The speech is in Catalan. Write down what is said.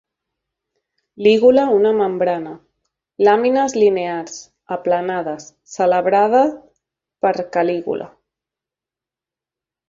Lígula una membrana; làmines linears, aplanades, celebrada per Calígula.